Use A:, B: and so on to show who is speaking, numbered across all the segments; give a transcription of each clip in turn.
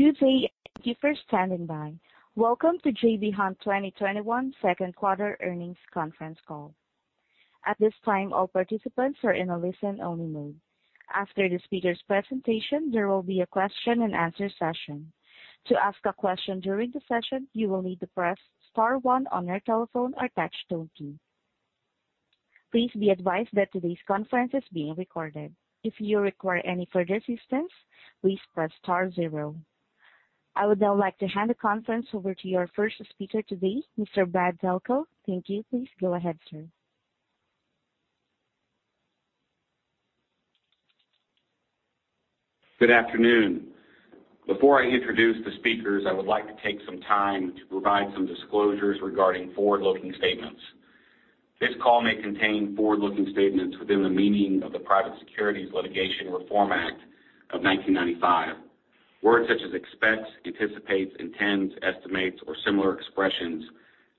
A: Good day. Thank you for standing by. Welcome to J.B. Hunt 2021 second quarter earnings conference call. At this time, all participants are in a listen-only mode. After the speaker's presentation, there will be a question and answer session. To ask a question during the session, you will need to press star one on your telephone or touch tone key. Please be advised that today's conference is being recorded. If you require any further assistance, please press star zero. I would now like to hand the conference over to your first speaker today, Mr. Brad Delco. Thank you. Please go ahead, sir.
B: Good afternoon. Before I introduce the speakers, I would like to take some time to provide some disclosures regarding forward-looking statements. This call may contain forward-looking statements within the meaning of the Private Securities Litigation Reform Act of 1995. Words such as expects, anticipates, intends, estimates, or similar expressions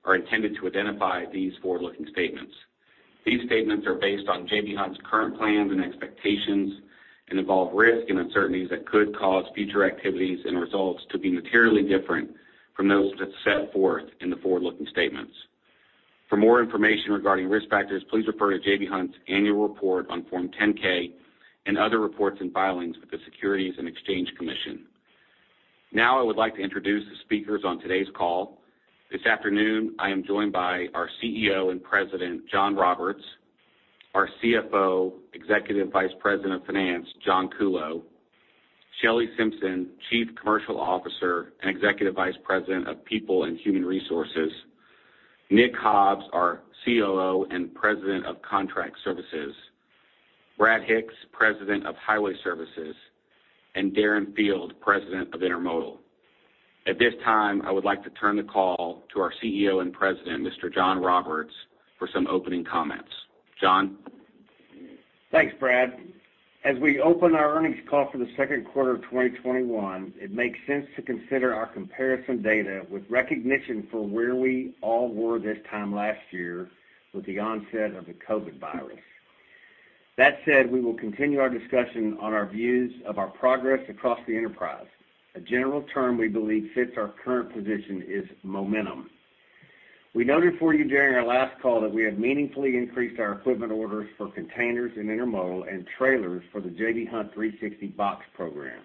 B: are intended to identify these forward-looking statements. These statements are based on J.B. Hunt's current plans and expectations and involve risk and uncertainties that could cause future activities and results to be materially different from those that's set forth in the forward-looking statements. For more information regarding risk factors, please refer to J.B. Hunt's annual report on Form 10-K and other reports and filings with the Securities and Exchange Commission. Now I would like to introduce the speakers on today's call. This afternoon, I am joined by our CEO and President, John Roberts. Our CFO, Executive Vice President of Finance, John Kuhlow. Shelley Simpson, Chief Commercial Officer and Executive Vice President of People and Human Resources. Nick Hobbs, our COO and President of Contract Services. Brad Hicks, President of Highway Services. Darren Field, President of Intermodal. At this time, I would like to turn the call to our CEO and President, Mr. John Roberts, for some opening comments. John?
C: Thanks, Brad. As we open our earnings call for the second quarter of 2021, it makes sense to consider our comparison data with recognition for where we all were this time last year with the onset of the COVID virus. That said, we will continue our discussion on our views of our progress across the enterprise. A general term we believe fits our current position is momentum. We noted for you during our last call that we have meaningfully increased our equipment orders for containers and intermodal and trailers for the J.B. Hunt 360box program.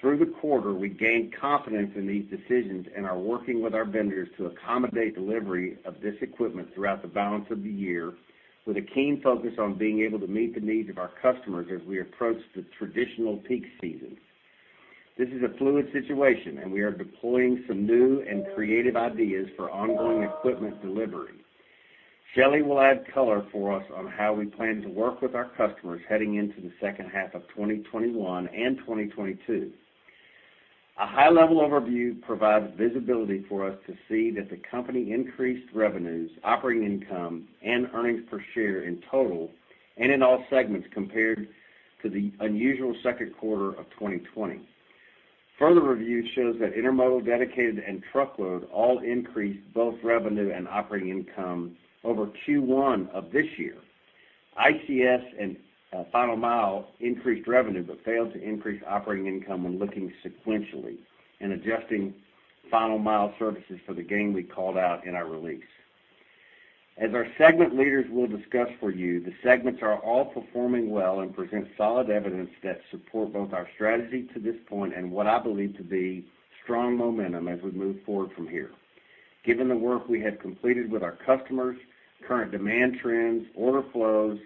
C: Through the quarter, we gained confidence in these decisions and are working with our vendors to accommodate delivery of this equipment throughout the balance of the year with a keen focus on being able to meet the needs of our customers as we approach the traditional peak season. This is a fluid situation, and we are deploying some new and creative ideas for ongoing equipment delivery. Shelley Simpson will add color for us on how we plan to work with our customers heading into the second half of 2021 and 2022. A high-level overview provides visibility for us to see that the company increased revenues, operating income, and earnings per share in total and in all segments compared to the unusual second quarter of 2020. Further review shows that Intermodal, Dedicated, and Truckload all increased both revenue and operating income over Q1 of this year. ICS and Final Mile Services increased revenue but failed to increase operating income when looking sequentially and adjusting Final Mile Services for the gain we called out in our release. As our segment leaders will discuss for you, the segments are all performing well and present solid evidence that support both our strategy to this point and what I believe to be strong momentum as we move forward from here. Given the work we had completed with our customers, current demand trends, order flows,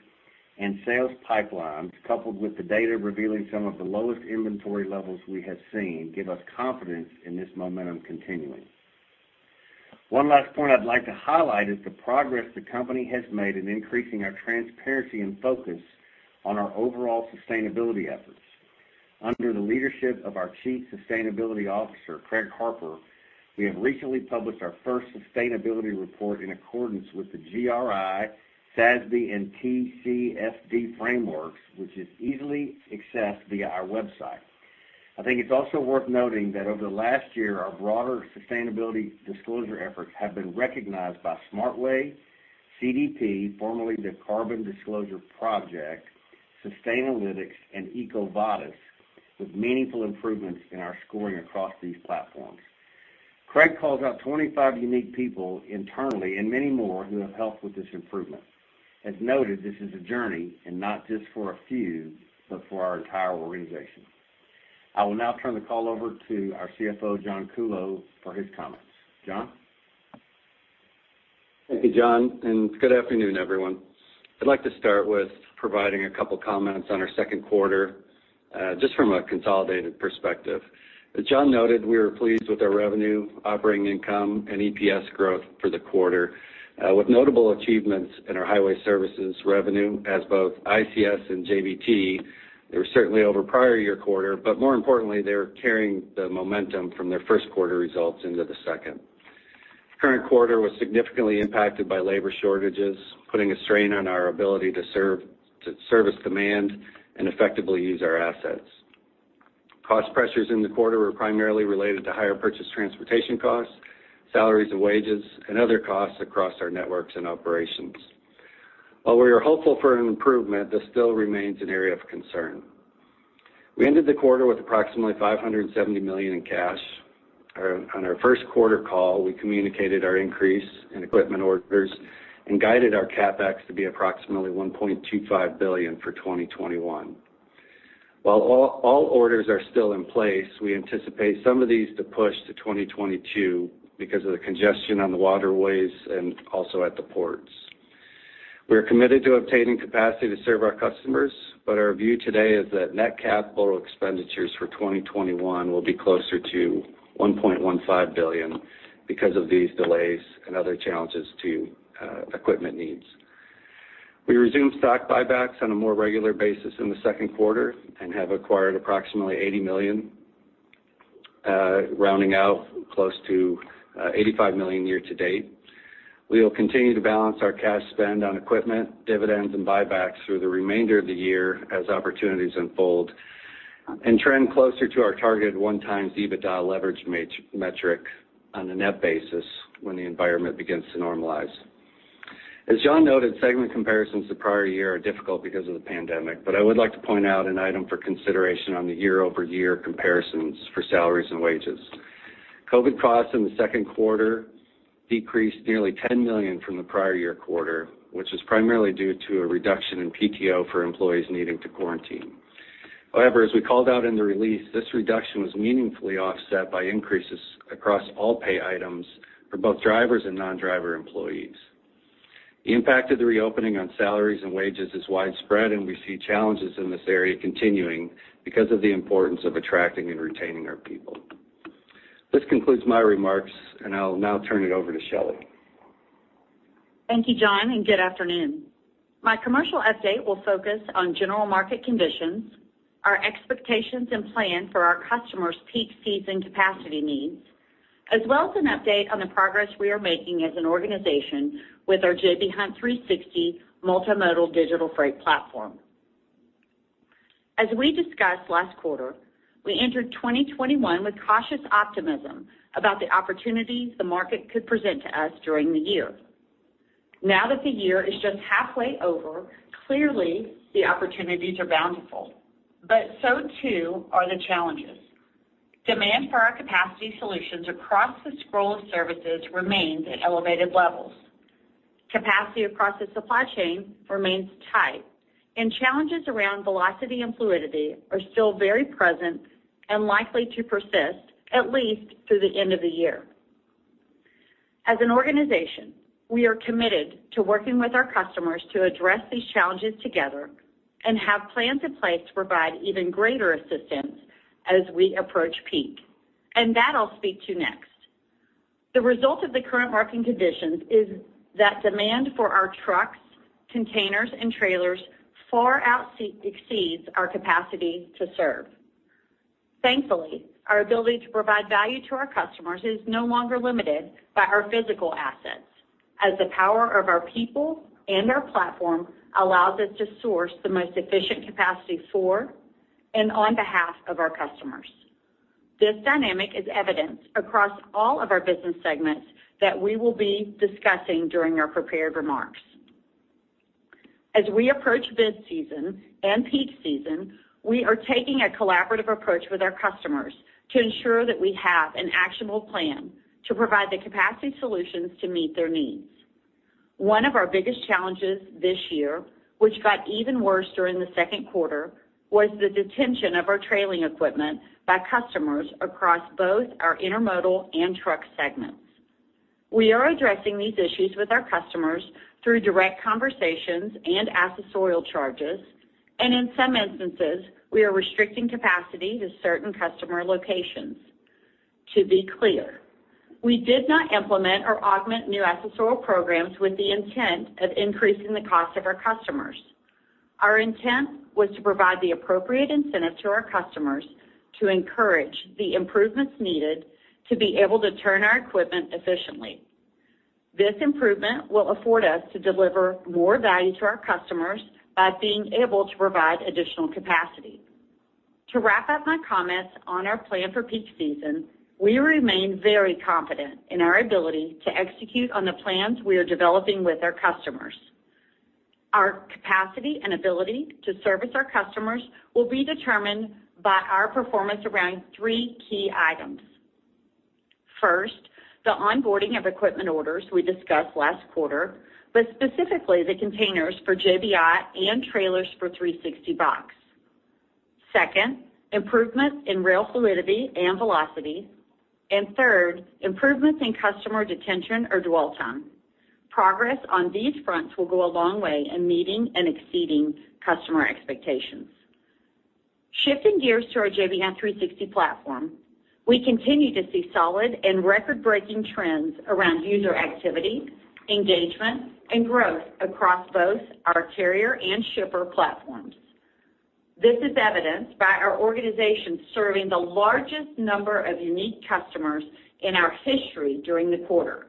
C: and sales pipelines, coupled with the data revealing some of the lowest inventory levels we have seen, give us confidence in this momentum continuing. One last point I'd like to highlight is the progress the company has made in increasing our transparency and focus on our overall sustainability efforts. Under the leadership of our Chief Sustainability Officer, Craig Harper, we have recently published our first sustainability report in accordance with the GRI, SASB, and TCFD frameworks, which is easily accessed via our website. I think it's also worth noting that over the last year, our broader sustainability disclosure efforts have been recognized by SmartWay, CDP, formerly the Carbon Disclosure Project, Sustainalytics, and EcoVadis with meaningful improvements in our scoring across these platforms. Craig calls out 25 unique people internally and many more who have helped with this improvement. As noted, this is a journey and not just for a few, but for our entire organization. I will now turn the call over to our CFO, John Kuhlow, for his comments. John?
D: Thank you, John. Good afternoon, everyone. I'd like to start with providing a couple comments on our second quarter, just from a consolidated perspective. As John noted, we were pleased with our revenue, operating income, and EPS growth for the quarter, with notable achievements in our Highway Services revenue as both ICS and JBT. They were certainly over prior year quarter, more importantly, they were carrying the momentum from their first quarter results into the second. Current quarter was significantly impacted by labor shortages, putting a strain on our ability to service demand and effectively use our assets. Cost pressures in the quarter were primarily related to higher purchase transportation costs, salaries and wages, and other costs across our networks and operations. While we are hopeful for an improvement, this still remains an area of concern. We ended the quarter with approximately $570 million in cash. On our first quarter call, we communicated our increase in equipment orders and guided our CapEx to be approximately $1.25 billion for 2021. While all orders are still in place, we anticipate some of these to push to 2022 because of the congestion on the waterways and also at the ports. We are committed to obtaining capacity to serve our customers, but our view today is that net capital expenditures for 2021 will be closer to $1.15 billion because of these delays and other challenges to equipment needs. We resumed stock buybacks on a more regular basis in the second quarter and have acquired approximately $80 million, rounding out close to $85 million year-to-date. We will continue to balance our cash spend on equipment, dividends, and buybacks through the remainder of the year as opportunities unfold and trend closer to our targeted 1 times EBITDA leverage metric on a net basis when the environment begins to normalize. As John noted, segment comparisons to prior year are difficult because of the pandemic, but I would like to point out an item for consideration on the year-over-year comparisons for salaries and wages. COVID costs in the second quarter decreased nearly $10 million from the prior year quarter, which was primarily due to a reduction in PTO for employees needing to quarantine. However, as we called out in the release, this reduction was meaningfully offset by increases across all pay items for both drivers and non-driver employees. The impact of the reopening on salaries and wages is widespread. We see challenges in this area continuing because of the importance of attracting and retaining our people. This concludes my remarks. I'll now turn it over to Shelley Simpson.
E: Thank you, John, and good afternoon. My commercial update will focus on general market conditions, our expectations and plan for our customers' peak season capacity needs, as well as an update on the progress we are making as an organization with our J.B. Hunt 360 multimodal digital freight platform. As we discussed last quarter, we entered 2021 with cautious optimism about the opportunities the market could present to us during the year. Now that the year is just halfway over, clearly, the opportunities are bountiful, but so too are the challenges. Demand for our capacity solutions across the scope of services remains at elevated levels. Capacity across the supply chain remains tight, and challenges around velocity and fluidity are still very present and likely to persist at least through the end of the year. As an organization, we are committed to working with our customers to address these challenges together and have plans in place to provide even greater assistance as we approach peak, and that I'll speak to next. The result of the current market conditions is that demand for our trucks, containers, and trailers far exceeds our capacity to serve. Thankfully, our ability to provide value to our customers is no longer limited by our physical assets, as the power of our people and our platform allows us to source the most efficient capacity for and on behalf of our customers. This dynamic is evidenced across all of our business segments that we will be discussing during our prepared remarks. As we approach this season and peak season, we are taking a collaborative approach with our customers to ensure that we have an actionable plan to provide the capacity solutions to meet their needs. One of our biggest challenges this year, which got even worse during the second quarter, was the detention of our trailing equipment by customers across both our intermodal and Truck segments. We are addressing these issues with our customers through direct conversations and accessorial charges. In some instances, we are restricting capacity to certain customer locations. To be clear, we did not implement or augment new accessorial programs with the intent of increasing the cost of our customers. Our intent was to provide the appropriate incentive to our customers to encourage the improvements needed to be able to turn our equipment efficiently. This improvement will afford us to deliver more value to our customers by being able to provide additional capacity. To wrap up my comments on our plan for peak season, we remain very confident in our ability to execute on the plans we are developing with our customers. Our capacity and ability to service our customers will be determined by our performance around three key items. First, the onboarding of equipment orders we discussed last quarter, but specifically the containers for JBI and trailers for 360box. Second, improvements in rail fluidity and velocity. Third, improvements in customer detention or dwell time. Progress on these fronts will go a long way in meeting and exceeding customer expectations. Shifting gears to our J.B. Hunt 360 platform, we continue to see solid and record-breaking trends around user activity, engagement, and growth across both our carrier and shipper platforms. This is evidenced by our organization serving the largest number of unique customers in our history during the quarter.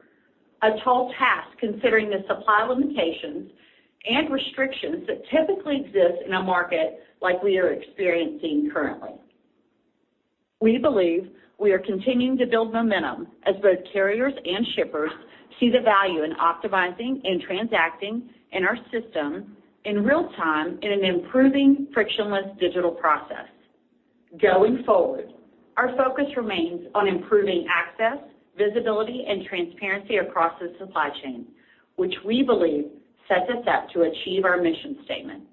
E: A tall task, considering the supply limitations and restrictions that typically exist in a market like we are experiencing currently. We believe we are continuing to build momentum as both carriers and shippers see the value in optimizing and transacting in our system in real time in an improving frictionless digital process. Going forward, our focus remains on improving access, visibility, and transparency across the supply chain, which we believe sets us up to achieve our mission statement: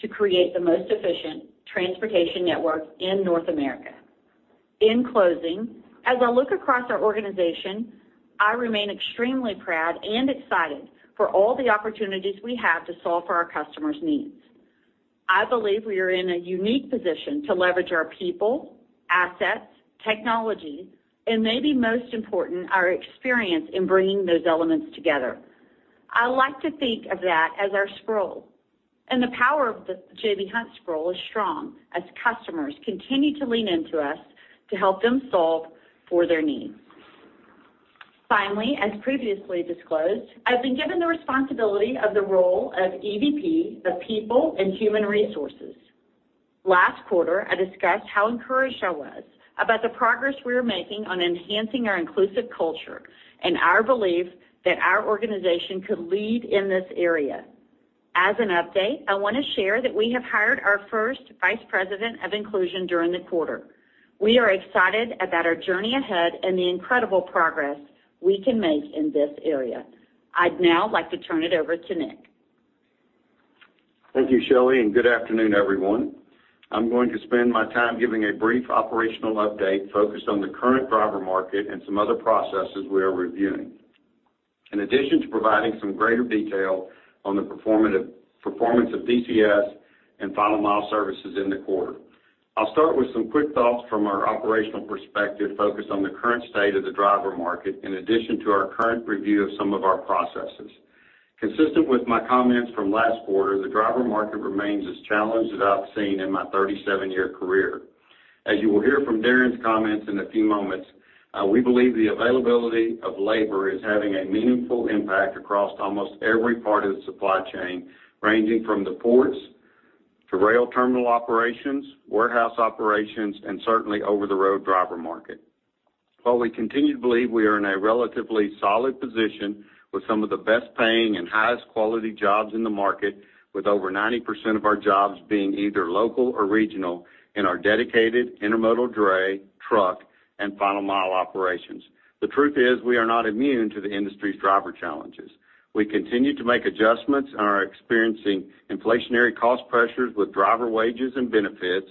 E: to create the most efficient transportation network in North America. In closing, as I look across our organization, I remain extremely proud and excited for all the opportunities we have to solve for our customers' needs. I believe we are in a unique position to leverage our people, assets, technology, and maybe most important, our experience in bringing those elements together. I like to think of that as our scroll. The power of the J.B. Hunt scroll is strong as customers continue to lean into us to help them solve for their needs. Finally, as previously disclosed, I've been given the responsibility of the role of EVP of People and Human Resources. Last quarter, I discussed how encouraged I was about the progress we are making on enhancing our inclusive culture and our belief that our organization could lead in this area. As an update, I want to share that we have hired our first Vice President of Inclusion during the quarter. We are excited about our journey ahead and the incredible progress we can make in this area. I'd now like to turn it over to Nick.
F: Thank you, Shelley, and good afternoon, everyone. I'm going to spend my time giving a brief operational update focused on the current driver market and some other processes we are reviewing, in addition to providing some greater detail on the performance of DCS and Final Mile Services in the quarter. I'll start with some quick thoughts from our operational perspective focused on the current state of the driver market, in addition to our current review of some of our processes. Consistent with my comments from last quarter, the driver market remains as challenged as I've seen in my 37-year career. As you will hear from Darren's comments in a few moments, we believe the availability of labor is having a meaningful impact across almost every part of the supply chain, ranging from the ports to rail terminal operations, warehouse operations, and certainly over the road driver market. While we continue to believe we are in a relatively solid position with some of the best paying and highest quality jobs in the market, with over 90% of our jobs being either local or regional in our dedicated intermodal dray, truck, and Final Mile Services. The truth is we are not immune to the industry's driver challenges. We continue to make adjustments and are experiencing inflationary cost pressures with driver wages and benefits,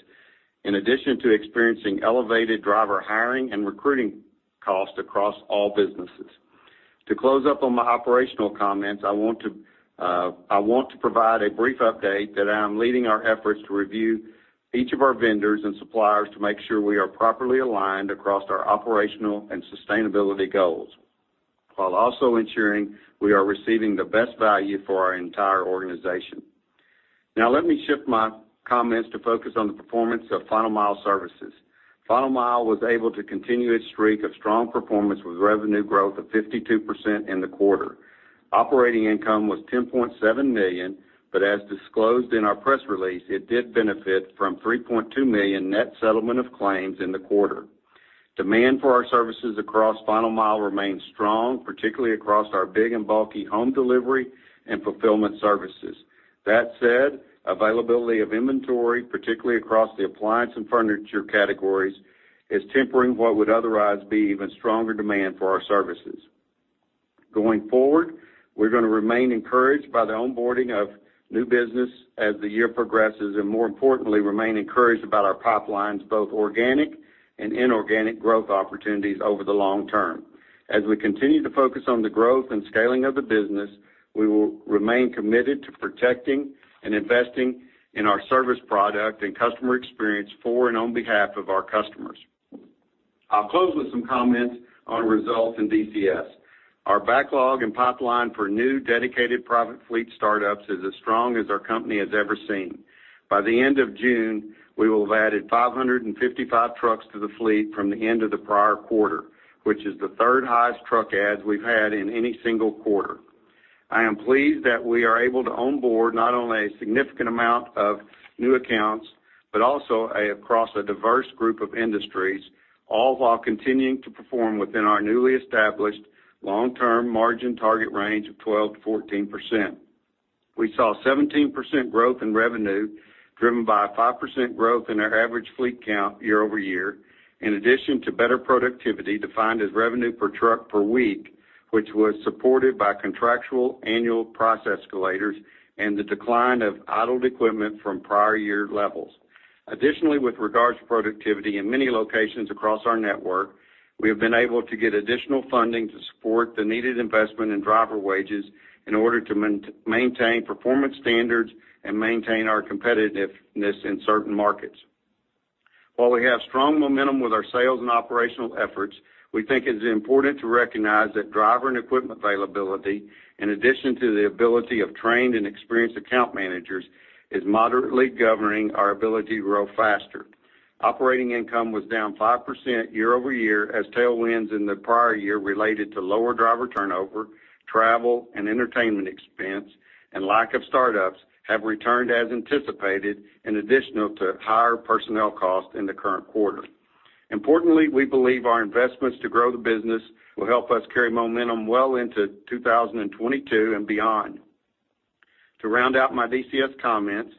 F: in addition to experiencing elevated driver hiring and recruiting costs across all businesses. To close up on my operational comments, I want to provide a brief update that I am leading our efforts to review each of our vendors and suppliers to make sure we are properly aligned across our operational and sustainability goals, while also ensuring we are receiving the best value for our entire organization. Now let me shift my comments to focus on the performance of Final Mile Services. Final Mile was able to continue its streak of strong performance with revenue growth of 52% in the quarter. Operating income was $10.7 million. As disclosed in our press release, it did benefit from $3.2 million net settlement of claims in the quarter. Demand for our services across Final Mile remains strong, particularly across our big and bulky home delivery and fulfillment services. That said, availability of inventory, particularly across the appliance and furniture categories, is tempering what would otherwise be even stronger demand for our services. Going forward, we're going to remain encouraged by the onboarding of new business as the year progresses, and more importantly, remain encouraged about our pipelines, both organic and inorganic growth opportunities over the long term. As we continue to focus on the growth and scaling of the business, we will remain committed to protecting and investing in our service product and customer experience for and on behalf of our customers. I'll close with some comments on results in DCS. Our backlog and pipeline for new dedicated private fleet startups is as strong as our company has ever seen. By the end of June, we will have added 555 trucks to the fleet from the end of the prior quarter, which is the third highest truck adds we've had in any single quarter. I am pleased that we are able to onboard not only a significant amount of new accounts, but also across a diverse group of industries, all while continuing to perform within our newly established long-term margin target range of 12%-14%. We saw a 17% growth in revenue, driven by a 5% growth in our average fleet count year-over-year, in addition to better productivity, defined as revenue per truck per week, which was supported by contractual annual price escalators and the decline of idled equipment from prior year levels. Additionally, with regards to productivity in many locations across our network, we have been able to get additional funding to support the needed investment in driver wages in order to maintain performance standards and maintain our competitiveness in certain markets. While we have strong momentum with our sales and operational efforts, we think it's important to recognize that driver and equipment availability, in addition to the ability of trained and experienced account managers, is moderately governing our ability to grow faster. Operating income was down 5% year-over-year as tailwinds in the prior year related to lower driver turnover, travel and entertainment expense, and lack of startups have returned as anticipated, in addition to higher personnel costs in the current quarter. Importantly, we believe our investments to grow the business will help us carry momentum well into 2022 and beyond. To round out my DCS comments,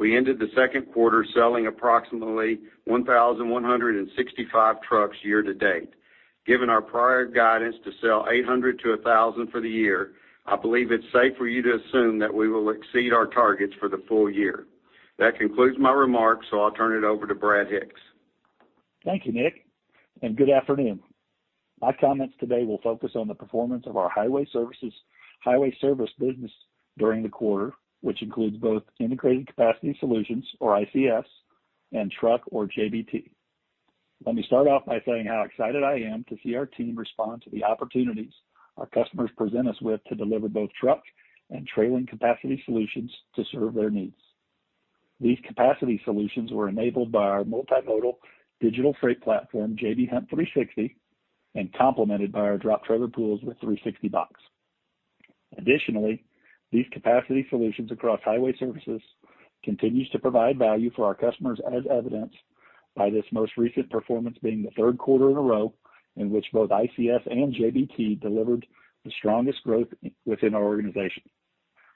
F: we ended the second quarter selling approximately 1,165 trucks year-to-date. Given our prior guidance to sell 800-1,000 for the year, I believe it's safe for you to assume that we will exceed our targets for the full year. That concludes my remarks, so I'll turn it over to Brad Hicks.
G: Thank you, Nick, and good afternoon. My comments today will focus on the performance of our Highway Services business during the quarter, which includes both Integrated Capacity Solutions, or ICS, and Truck or JBT. Let me start off by saying how excited I am to see our team respond to the opportunities our customers present us with to deliver both Truck and trailing capacity solutions to serve their needs. These capacity solutions were enabled by our multimodal digital freight platform, J.B. Hunt 360, and complemented by our drop trailer pools with 360box. Additionally, these capacity solutions across Highway Services continues to provide value for our customers, as evidenced by this most recent performance being the third quarter in a row in which both ICS and JBT delivered the strongest growth within our organization.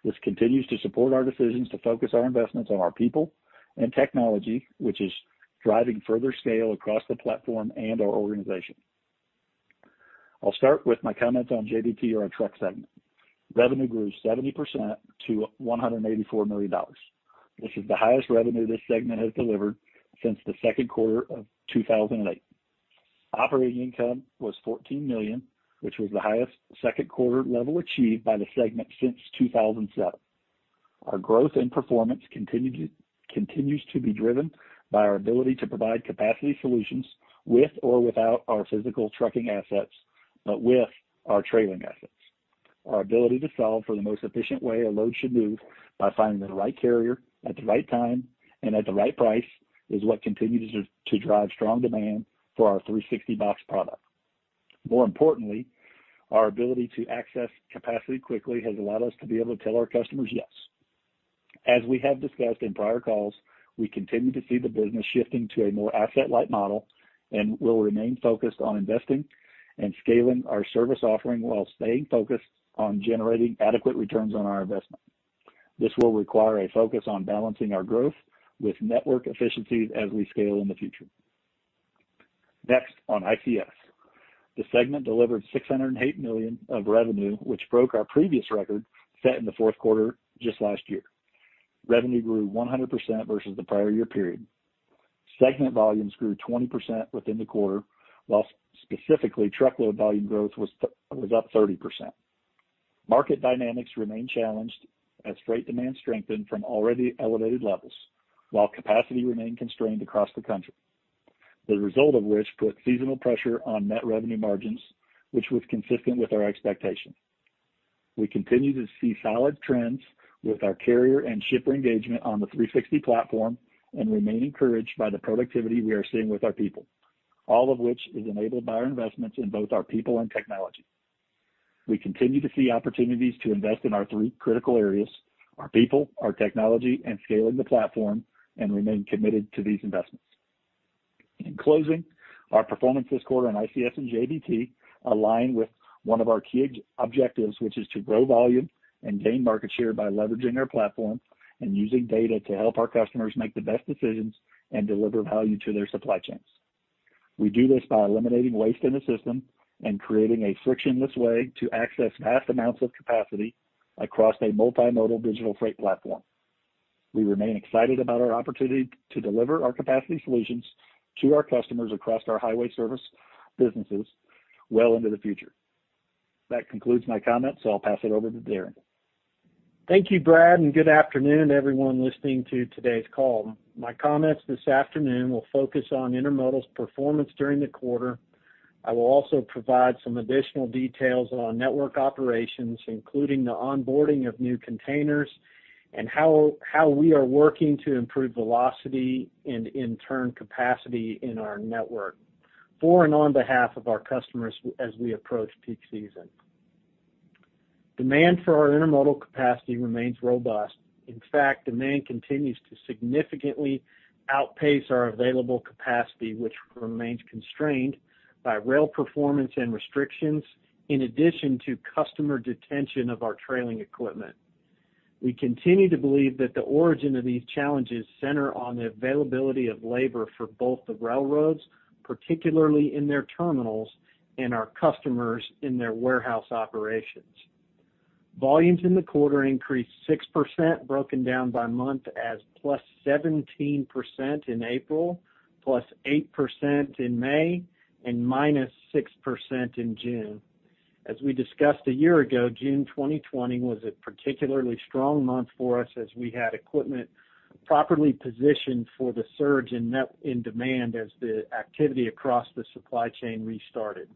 G: This continues to support our decisions to focus our investments on our people and technology, which is driving further scale across the platform and our organization. I'll start with my comments on JBT or our Truck segment. Revenue grew 70% to $184 million. This is the highest revenue this segment has delivered since the Q2 2008. Operating income was $14 million, which was the highest Q2 level achieved by the segment since 2007. Our growth and performance continues to be driven by our ability to provide capacity solutions with or without our physical trucking assets, but with our trailing assets. Our ability to solve for the most efficient way a load should move by finding the right carrier at the right time and at the right price is what continues to drive strong demand for our 360box product. More importantly, our ability to access capacity quickly has allowed us to be able to tell our customers yes. As we have discussed in prior calls, we continue to see the business shifting to a more asset-light model and will remain focused on investing and scaling our service offering while staying focused on generating adequate returns on our investment. This will require a focus on balancing our growth with network efficiencies as we scale in the future. Next on ICS. The segment delivered $608 million of revenue, which broke our previous record set in the fourth quarter just last year. Revenue grew 100% versus the prior year period. Segment volumes grew 20% within the quarter, while specifically truckload volume growth was up 30%. Market dynamics remain challenged as freight demand strengthened from already elevated levels while capacity remained constrained across the country. The result of which put seasonal pressure on net revenue margins, which was consistent with our expectations. We continue to see solid trends with our carrier and shipper engagement on the 360 platform and remain encouraged by the productivity we are seeing with our people, all of which is enabled by our investments in both our people and technology. We continue to see opportunities to invest in our three critical areas, our people, our technology, and scaling the platform, and remain committed to these investments. In closing, our performance this quarter on ICS and JBT align with one of our key objectives, which is to grow volume and gain market share by leveraging our platform and using data to help our customers make the best decisions and deliver value to their supply chains. We do this by eliminating waste in the system and creating a frictionless way to access vast amounts of capacity across a multimodal digital freight platform. We remain excited about our opportunity to deliver our capacity solutions to our customers across our Highway Services businesses well into the future. That concludes my comments, I'll pass it over to Darren.
H: Thank you, Brad, and good afternoon everyone listening to today's call. My comments this afternoon will focus on Intermodal's performance during the quarter. I will also provide some additional details on network operations, including the onboarding of new containers and how we are working to improve velocity and in turn, capacity in our network for and on behalf of our customers as we approach peak season. Demand for our intermodal capacity remains robust. In fact, demand continues to significantly outpace our available capacity, which remains constrained by rail performance and restrictions in addition to customer detention of our trailing equipment. We continue to believe that the origin of these challenges center on the availability of labor for both the railroads, particularly in their terminals, and our customers in their warehouse operations. Volumes in the quarter increased 6%, broken down by month as plus 17% in April, plus 8% in May, and minus 6% in June. As we discussed a year ago, June 2020 was a particularly strong month for us as we had equipment properly positioned for the surge in demand as the activity across the supply chain restarted.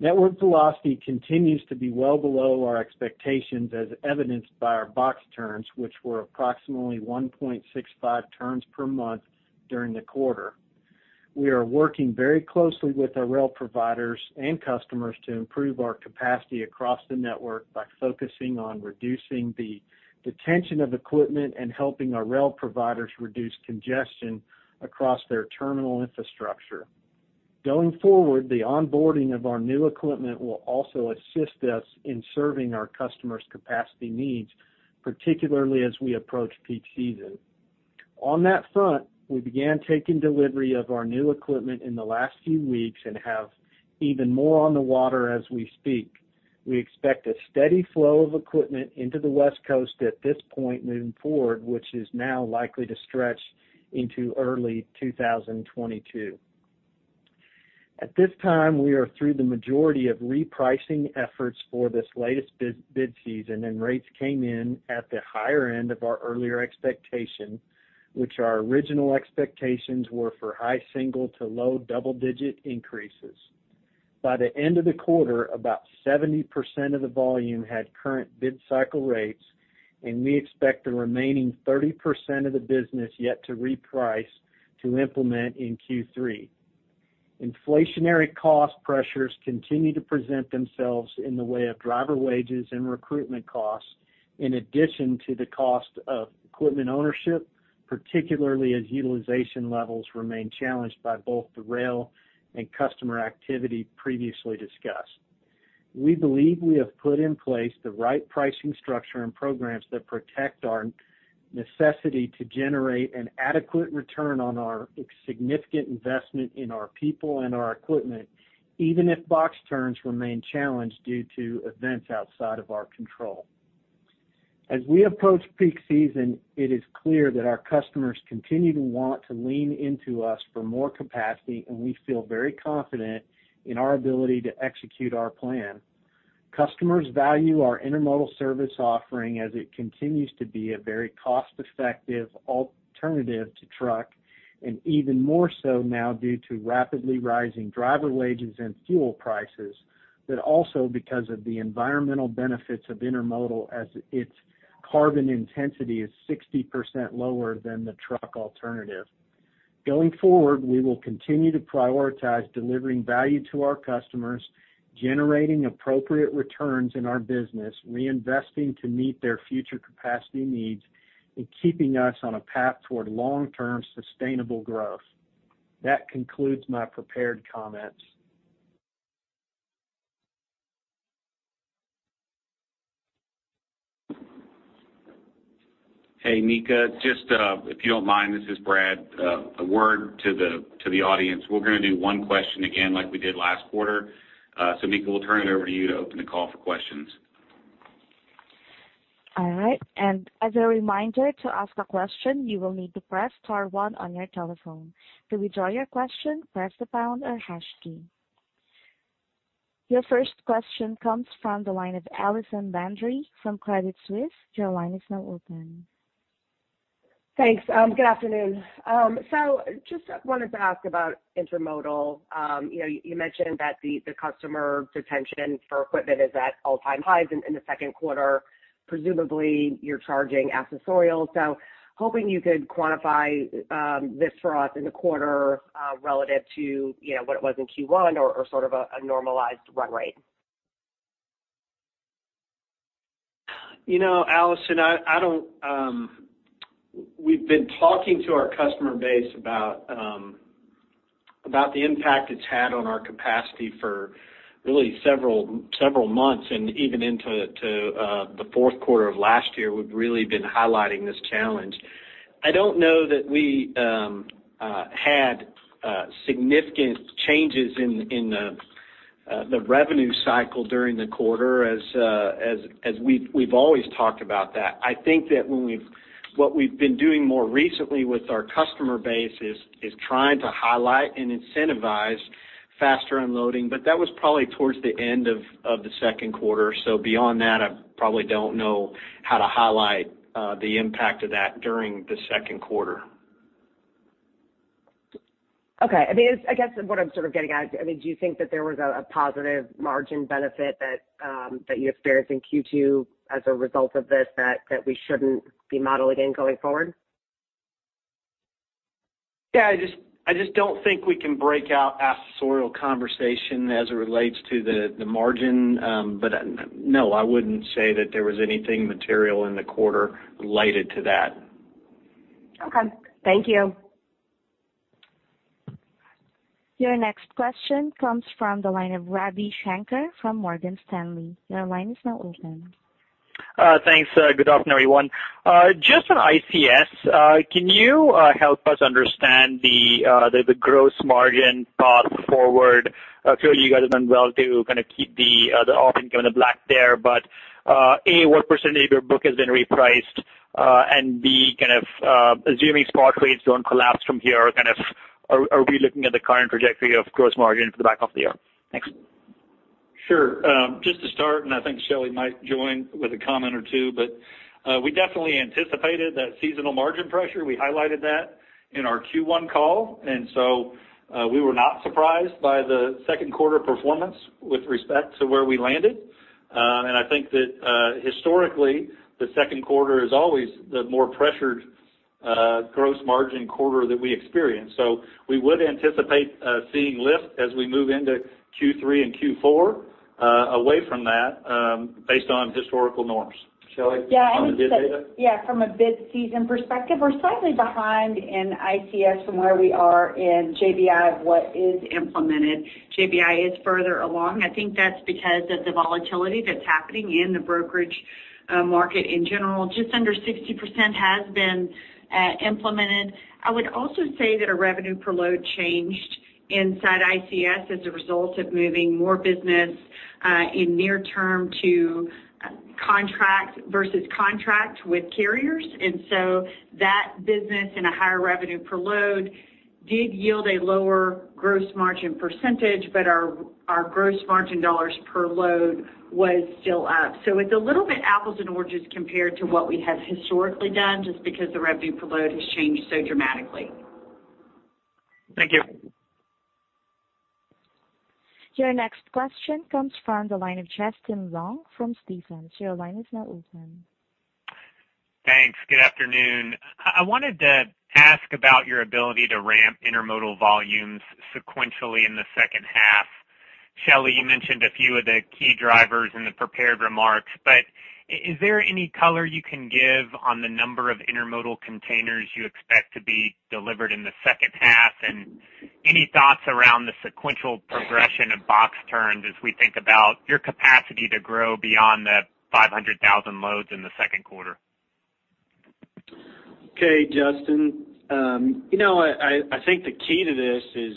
H: Network velocity continues to be well below our expectations, as evidenced by our box turns, which were approximately 1.65 turns per month during the quarter. We are working very closely with our rail providers and customers to improve our capacity across the network by focusing on reducing the detention of equipment and helping our rail providers reduce congestion across their terminal infrastructure. Going forward, the onboarding of our new equipment will also assist us in serving our customers' capacity needs, particularly as we approach peak season. On that front, we began taking delivery of our new equipment in the last few weeks and have even more on the water as we speak. We expect a steady flow of equipment into the West Coast at this point moving forward, which is now likely to stretch into early 2022. At this time, we are through the majority of repricing efforts for this latest bid season, and rates came in at the higher end of our earlier expectation, which our original expectations were for high single-digit to low double-digit increases. By the end of the quarter, about 70% of the volume had current bid cycle rates, and we expect the remaining 30% of the business yet to reprice to implement in Q3. Inflationary cost pressures continue to present themselves in the way of driver wages and recruitment costs, in addition to the cost of equipment ownership, particularly as utilization levels remain challenged by both the rail and customer activity previously discussed. We believe we have put in place the right pricing structure and programs that protect our necessity to generate an adequate return on our significant investment in our people and our equipment, even if box turns remain challenged due to events outside of our control. As we approach peak season, it is clear that our customers continue to want to lean into us for more capacity, and we feel very confident in our ability to execute our plan. Customers value our intermodal service offering as it continues to be a very cost-effective alternative to truck, and even more so now due to rapidly rising driver wages and fuel prices, but also because of the environmental benefits of intermodal as its carbon intensity is 60% lower than the truck alternative. Going forward, we will continue to prioritize delivering value to our customers, generating appropriate returns in our business, reinvesting to meet their future capacity needs, and keeping us on a path toward long-term sustainable growth. That concludes my prepared comments.
B: Hey, Mika, just if you don't mind, this is Brad. A word to the audience. We're going to do one question again like we did last quarter. Mika, we'll turn it over to you to open the call for questions.
A: All right. As a reminder, to ask a question, you will need to press star one on your telephone. To withdraw your question, press the pound or hash key. Your first question comes from the line of Allison Landry from Credit Suisse. Your line is now open.
I: Thanks. Good afternoon. Just wanted to ask about intermodal. You mentioned that the customer detention for equipment is at all time highs in the second quarter. Presumably, you're charging accessorial. Hoping you could quantify this for us in the quarter relative to what it was in Q1 or sort of a normalized run rate.
H: Allison, we've been talking to our customer base about the impact it's had on our capacity for really several months and even into the fourth quarter of last year, we've really been highlighting this challenge. I don't know that we had significant changes in the revenue cycle during the quarter, as we've always talked about that. I think that what we've been doing more recently with our customer base is trying to highlight and incentivize faster unloading, that was probably towards the end of the second quarter. Beyond that, I probably don't know how to highlight the impact of that during the second quarter.
I: Okay. I guess what I'm sort of getting at, do you think that there was a positive margin benefit that you experienced in Q2 as a result of this that we shouldn't be modeling in going forward?
H: Yeah, I just don't think we can break out accessorial conversation as it relates to the margin. No, I wouldn't say that there was anything material in the quarter related to that.
I: Okay. Thank you.
A: Your next question comes from the line of Ravi Shanker from Morgan Stanley. Your line is now open.
J: Thanks. Good afternoon, everyone. Just on ICS, can you help us understand the gross margin path forward? Clearly, you guys have done well to kind of keep the offering kind of black there. A, what percentage of your book has been repriced? B, kind of assuming spot rates don't collapse from here, are we looking at the current trajectory of gross margin for the back half of the year? Thanks.
G: Sure. Just to start, and I think Shelley Simpson might join with a comment or two, we definitely anticipated that seasonal margin pressure. We highlighted that in our Q1 call, we were not surprised by the second quarter performance with respect to where we landed. I think that historically, the second quarter is always the more pressured gross margin quarter that we experience. We would anticipate seeing lift as we move into Q3 and Q4 away from that based on historical norms. Shelley, on the bid data?
E: Yeah. From a bid season perspective, we're slightly behind in ICS from where we are in JBI of what is implemented. JBI is further along. I think that's because of the volatility that's happening in the brokerage market in general. Just under 60% has been implemented. I would also say that our revenue per load changed inside ICS as a result of moving more business in near term to contract versus contract with carriers. That business and a higher revenue per load did yield a lower gross margin percentage, but our gross margin dollars per load was still up. It's a little bit apples and oranges compared to what we have historically done, just because the revenue per load has changed so dramatically.
G: Thank you.
A: Your next question comes from the line of Justin Long from Stephens. Your line is now open.
K: Thanks. Good afternoon. I wanted to ask about your ability to ramp intermodal volumes sequentially in the second half. Shelley, you mentioned a few of the key drivers in the prepared remarks. Is there any color you can give on the number of intermodal containers you expect to be delivered in the second half? Any thoughts around the sequential progression of box turns as we think about your capacity to grow beyond the 500,000 loads in the second quarter?
H: Okay, Justin. I think the key to this is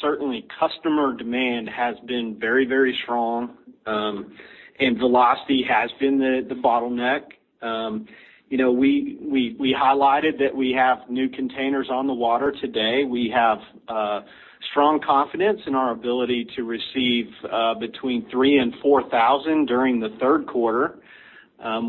H: certainly customer demand has been very strong, and velocity has been the bottleneck. We highlighted that we have new containers on the water today. We have strong confidence in our ability to receive between 3,000 and 4,000 during the third quarter.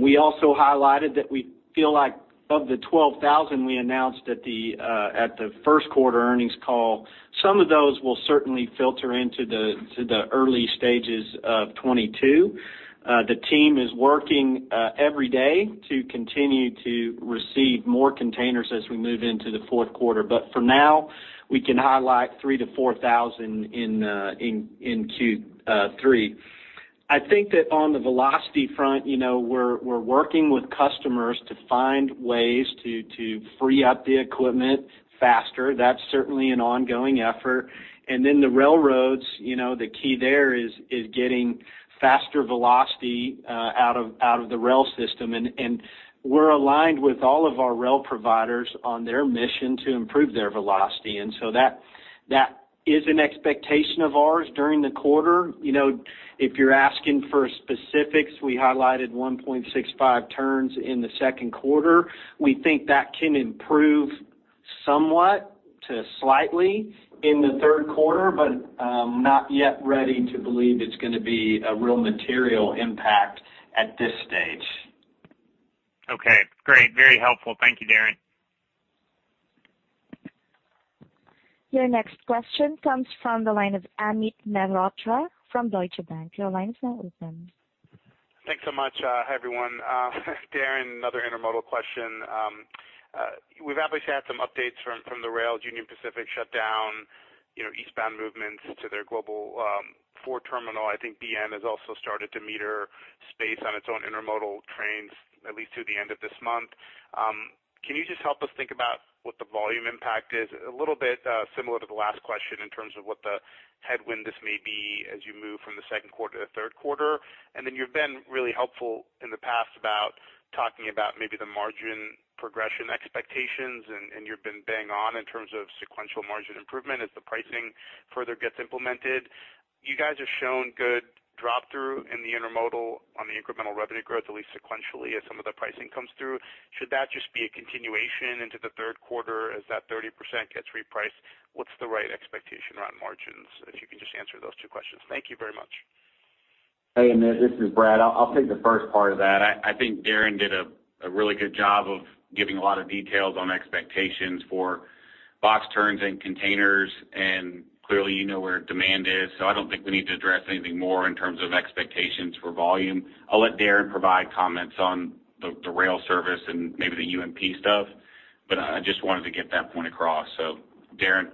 H: We also highlighted that we feel like of the 12,000 we announced at the first quarter earnings call, some of those will certainly filter into the early stages of 2022. The team is working every day to continue to receive more containers as we move into the fourth quarter. For now, we can highlight 3,000 to 4,000 in Q3. I think that on the velocity front, we're working with customers to find ways to free up the equipment faster. That's certainly an ongoing effort. The railroads, the key there is getting faster velocity out of the rail system, and we're aligned with all of our rail providers on their mission to improve their velocity. That is an expectation of ours during the quarter. If you're asking for specifics, we highlighted 1.65 turns in the second quarter. We think that can improve somewhat to slightly in the third quarter, but I'm not yet ready to believe it's going to be a real material impact at this stage.
K: Okay, great. Very helpful. Thank you, Darren.
A: Your next question comes from the line of Amit Mehrotra from Deutsche Bank. Your line is now open.
L: Thanks so much. Hi, everyone. Darren, another intermodal question. We've obviously had some updates from the rails. Union Pacific shut down eastbound movements to their Global IV terminal. I think BN has also started to meter space on its own intermodal trains at least through the end of this month. Can you just help us think about what the volume impact is? A little bit similar to the last question in terms of what the headwind this may be as you move from the second quarter to the third quarter. You've been really helpful in the past about talking about maybe the margin progression expectations, and you've been bang on in terms of sequential margin improvement as the pricing further gets implemented. You guys have shown good drop through in the intermodal on the incremental revenue growth, at least sequentially, as some of the pricing comes through. Should that just be a continuation into the third quarter as that 30% gets repriced? What's the right expectation around margins? If you can just answer those two questions. Thank you very much.
B: Hey, Amit. This is Brad. I'll take the first part of that. I think Darren did a really good job of giving a lot of details on expectations for box turns and containers, and clearly, you know where demand is. I don't think we need to address anything more in terms of expectations for volume. I'll let Darren provide comments on the rail service and maybe the UP stuff. I just wanted to get that point across. Darren.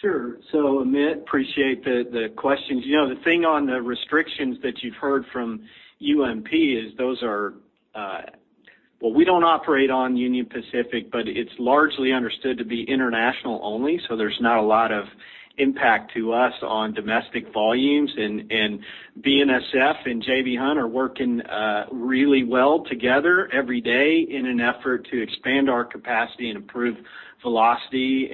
H: Sure. Amit, appreciate the questions. The thing on the restrictions that you've heard from UP is Well, we don't operate on Union Pacific, it's largely understood to be international only, there's not a lot of impact to us on domestic volumes. BNSF and J.B. Hunt are working really well together every day in an effort to expand our capacity and improve velocity.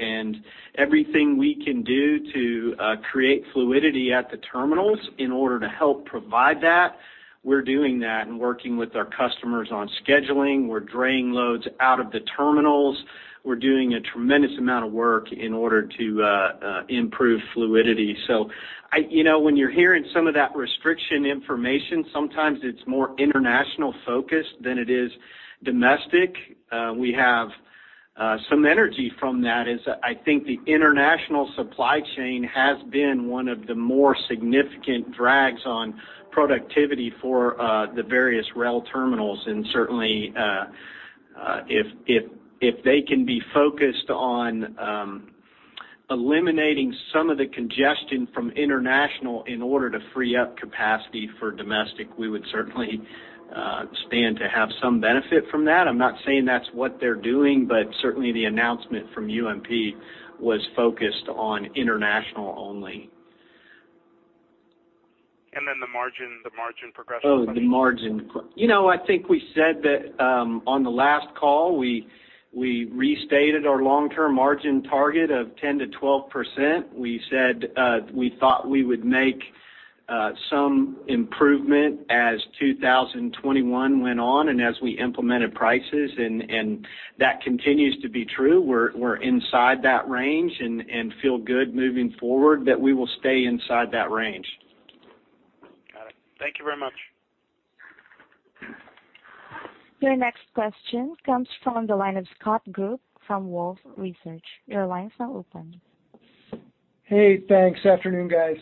H: Everything we can do to create fluidity at the terminals in order to help provide that, we're doing that and working with our customers on scheduling. We're draining loads out of the terminals. We're doing a tremendous amount of work in order to improve fluidity. When you're hearing some of that restriction information, sometimes it's more international focused than it is domestic. We have some energy from that as I think the international supply chain has been one of the more significant drags on productivity for the various rail terminals. Certainly, if they can be focused on eliminating some of the congestion from international in order to free up capacity for domestic, we would certainly stand to have some benefit from that. I'm not saying that's what they're doing, but certainly the announcement from UP was focused on international only.
L: The margin progression?
H: The margin. I think we said that on the last call, we restated our long-term margin target of 10%-12%. We said we thought we would make some improvement as 2021 went on and as we implemented prices. That continues to be true. We're inside that range and feel good moving forward that we will stay inside that range.
L: Got it. Thank you very much.
A: Your next question comes from the line of Scott Group from Wolfe Research. Your line is now open.
M: Hey, thanks. Afternoon, guys.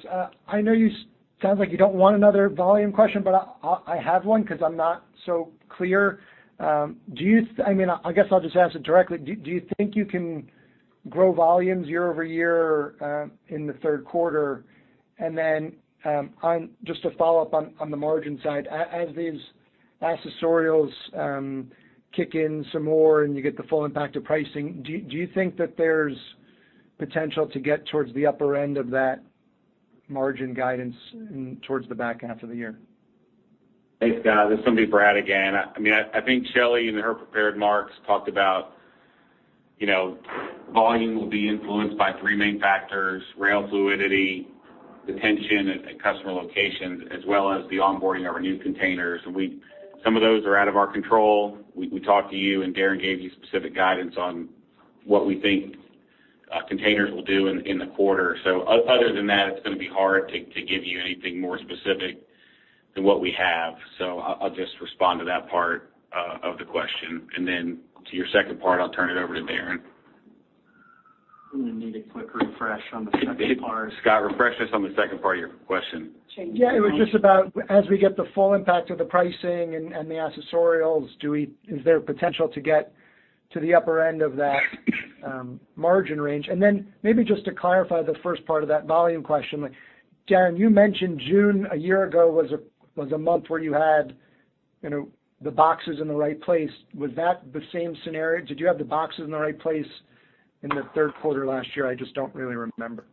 M: It sounds like you don't want another volume question. I have one because I'm not so clear. I guess I'll just ask it directly. Do you think you can grow volumes year-over-year in the third quarter? Just to follow up on the margin side, as these accessorials kick in some more and you get the full impact of pricing, do you think that there's potential to get towards the upper end of that margin guidance towards the back half of the year?
B: Thanks, Scott. This will be Brad again. I think Shelley, in her prepared marks, talked about volume will be influenced by three main factors, rail fluidity, detention at customer locations, as well as the onboarding of our new containers. Some of those are out of our control. We talked to you, and Darren gave you specific guidance on what we think containers will do in the quarter. Other than that, it's going to be hard to give you anything more specific than what we have. I'll just respond to that part of the question, and then to your second part, I'll turn it over to Darren.
H: I'm going to need a quick refresh on the second part.
B: Scott, refresh us on the second part of your question.
M: Yeah, it was just about as we get the full impact of the pricing and the accessorials, is there potential to get to the upper end of that margin range? Maybe just to clarify the first part of that volume question. Darren, you mentioned June a year ago was a month where you had the boxes in the right place. Was that the same scenario? Did you have the boxes in the right place in the third quarter last year? I just don't really remember.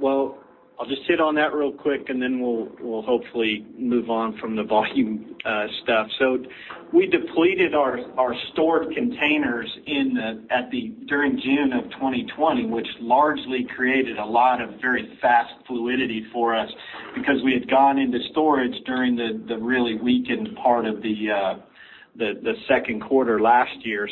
H: Well, I'll just hit on that real quick, and then we'll hopefully move on from the volume stuff. We depleted our stored containers during June of 2020, which largely created a lot of very fast fluidity for us because we had gone into storage during the really weakened part of the second quarter last year.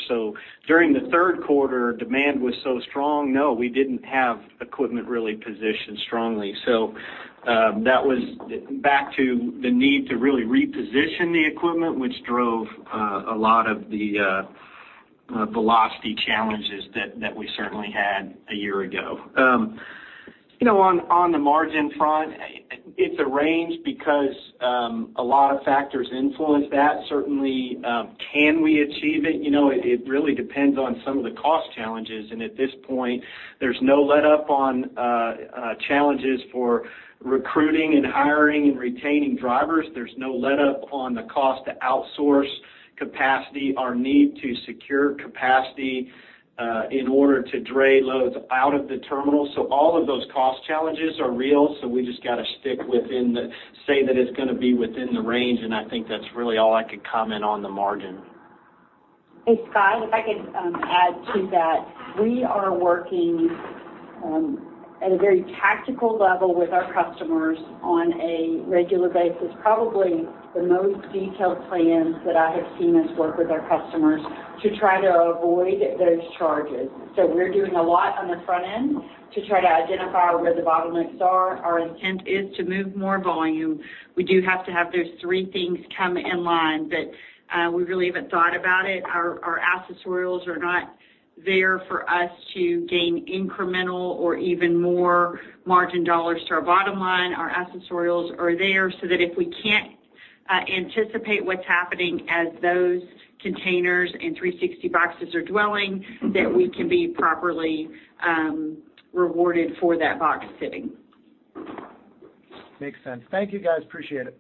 H: During the third quarter, demand was so strong, no, we didn't have equipment really positioned strongly. That was back to the need to really reposition the equipment, which drove a lot of the velocity challenges that we certainly had a year ago. On the margin front, it's a range because a lot of factors influence that. Certainly, can we achieve it? It really depends on some of the cost challenges. At this point, there's no letup on challenges for recruiting and hiring and retaining drivers. There's no letup on the cost to outsource capacity, our need to secure capacity in order to drain loads out of the terminal. All of those cost challenges are real. We just got to say that it's going to be within the range, and I think that's really all I could comment on the margin.
E: Hey, Scott, if I could add to that. We are working at a very tactical level with our customers on a regular basis. Probably the most detailed plans that I have seen us work with our customers to try to avoid those charges. We're doing a lot on the front end to try to identify where the bottlenecks are. Our intent is to move more volume. We do have to have those three things come in line, but we really haven't thought about it. Our accessorials are not there for us to gain incremental or even more margin dollars to our bottom line. Our accessorials are there so that if we can't anticipate what's happening as those containers and 360box boxes are dwelling, that we can be properly rewarded for that box sitting.
M: Makes sense. Thank you, guys. Appreciate it.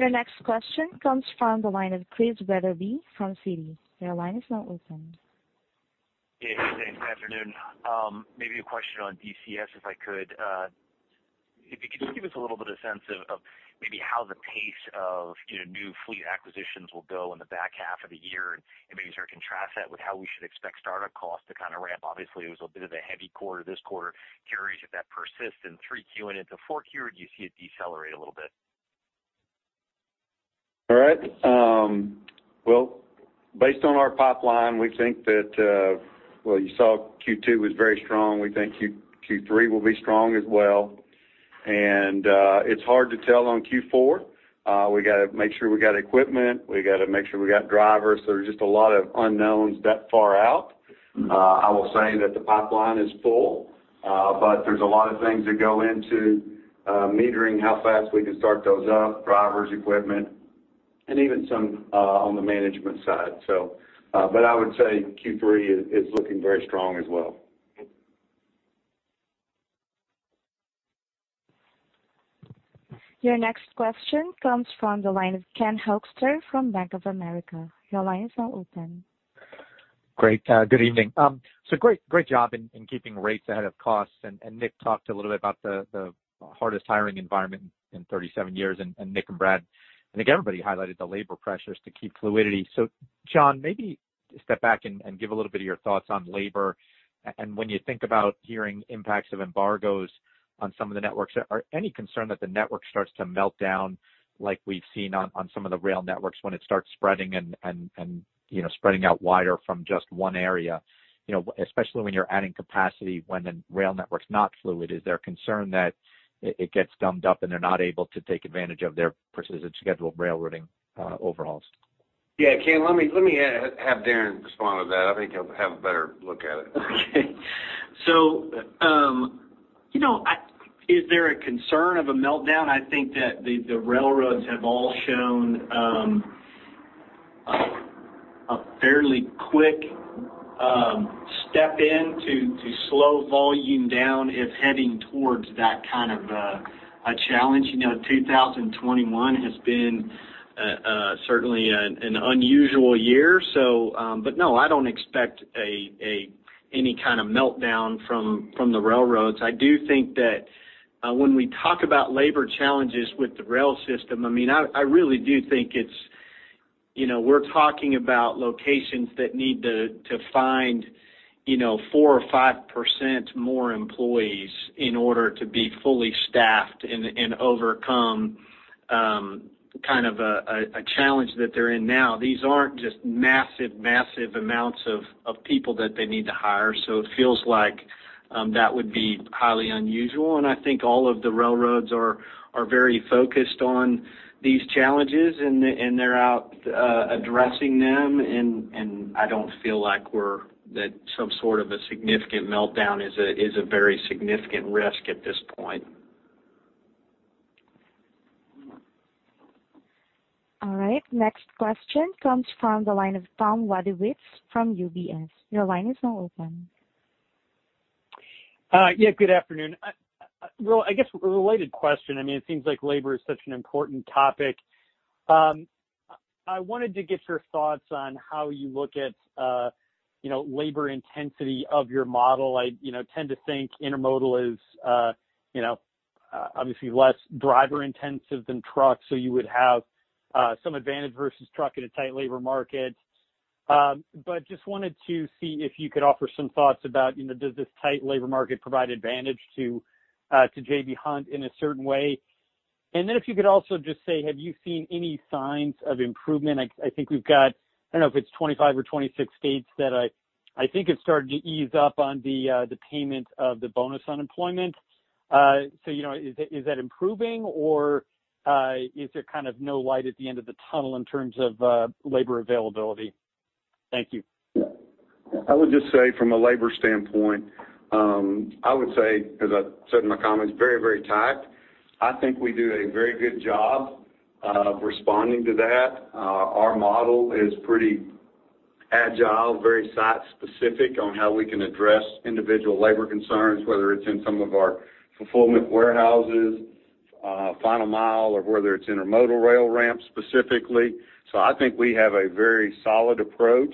A: Your next question comes from the line of Chris Wetherbee from Citi. Your line is now open.
N: Yeah. Hey, thanks. Afternoon. Maybe a question on DCS, if I could? If you could just give us a little bit of sense of maybe how the pace of new fleet acquisitions will go in the back half of the year, and maybe sort of contrast that with how we should expect startup costs to kind of ramp. Obviously, it was a bit of a heavy quarter this quarter. Curious if that persists in 3Q and into 4Q, or do you see it decelerate a little bit?
B: All right. Well, based on our pipeline, we think that, well, you saw Q2 was very strong. We think Q3 will be strong as well. It's hard to tell on Q4. We got to make sure we got equipment. We got to make sure we got drivers. There are just a lot of unknowns that far out.
F: I will say that the pipeline is full, but there's a lot of things that go into metering how fast we can start those up, drivers, equipment, and even some on the management side. I would say Q3 is looking very strong as well.
A: Your next question comes from the line of Ken Hoexter from Bank of America. Your line is now open.
O: Great. Good evening. Great job in keeping rates ahead of costs. Nick talked a little bit about the hardest hiring environment in 37 years, Nick and Brad, I think everybody highlighted the labor pressures to keep fluidity. John, maybe step back and give a little bit of your thoughts on labor. When you think about hearing impacts of embargoes on some of the networks, are any concern that the network starts to melt down like we've seen on some of the rail networks when it starts spreading and spreading out wider from just one area, especially when you're adding capacity when the rail network's not fluid. Is there a concern that it gets gummed up and they're not able to take advantage of their Precision Scheduled Railroading overhauls?
F: Yeah, Ken, let me have Darren respond to that. I think he'll have a better look at it.
H: Okay. Is there a concern of a meltdown? I think that the railroads have all shown a fairly quick step in to slow volume down if heading towards that kind of a challenge. 2021 has been certainly an unusual year. No, I don't expect any kind of meltdown from the railroads. I do think that when we talk about labor challenges with the rail system, I really do think we're talking about locations that need to find 4% or 5% more employees in order to be fully staffed and overcome kind of a challenge that they're in now. These aren't just massive amounts of people that they need to hire. It feels like that would be highly unusual, and I think all of the railroads are very focused on these challenges, and they're out addressing them, and I don't feel like that some sort of a significant meltdown is a very significant risk at this point.
A: All right. Next question comes from the line of Tom Wadewitz from UBS.
P: Yeah. Good afternoon. Well, I guess a related question. It seems like labor is such an important topic. I wanted to get your thoughts on how you look at labor intensity of your model. I tend to think intermodal is obviously less driver intensive than truck, so you would have some advantage versus truck in a tight labor market. Just wanted to see if you could offer some thoughts about, does this tight labor market provide advantage to J.B. Hunt in a certain way? If you could also just say, have you seen any signs of improvement? I think we've got, I don't know if it's 25 or 26 states that I think have started to ease up on the payment of the bonus unemployment. Is that improving or is there kind of no light at the end of the tunnel in terms of labor availability? Thank you.
F: I would just say from a labor standpoint, I would say, as I said in my comments, very tight. I think we do a very good job of responding to that. Our model is pretty agile, very site specific on how we can address individual labor concerns, whether it's in some of our fulfillment warehouses, final mile, or whether it's intermodal rail ramps specifically. I think we have a very solid approach.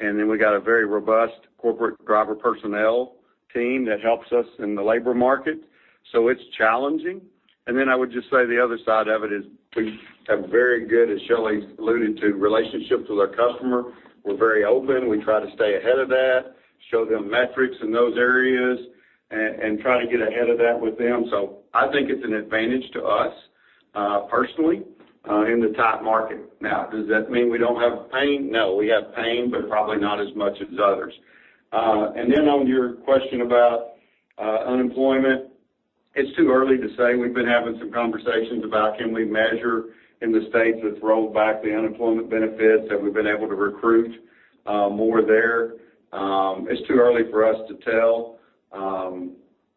F: We got a very robust corporate driver personnel team that helps us in the labor market. It's challenging. I would just say the other side of it is we have very good, as Shelley alluded to, relationships with our customer. We're very open. We try to stay ahead of that, show them metrics in those areas, and try to get ahead of that with them. I think it's an advantage to us, personally, in the tight market. Does that mean we don't have pain? No. We have pain, but probably not as much as others. On your question about unemployment, it's too early to say. We've been having some conversations about can we measure in the states that have rolled back the unemployment benefits, have we been able to recruit more there? It's too early for us to tell.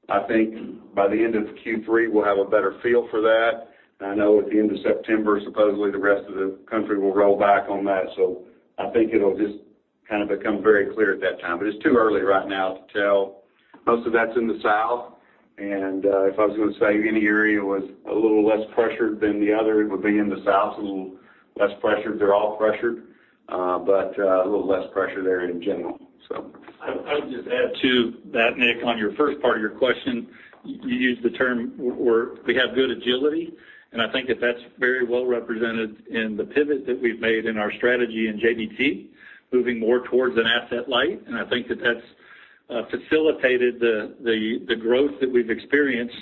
F: I think by the end of Q3, we'll have a better feel for that. I know at the end of September, supposedly the rest of the country will roll back on that. I think it'll just kind of become very clear at that time. It's too early right now to tell. Most of that's in the South, and if I was going to say any area was a little less pressured than the other, it would be in the South, a little less pressured. They're all pressured, but a little less pressure there in general.
G: I would just add to that, Nick, on your first part of your question, you used the term where we have good agility, and I think that's very well represented in the pivot that we've made in our strategy in JBT, moving more towards an asset light, and I think that's facilitated the growth that we've experienced